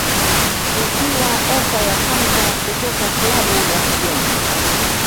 ikiwa ofa ya kwanza kutoka klabu ya kigeni